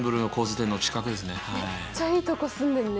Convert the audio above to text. めっちゃいいとこ住んでるね。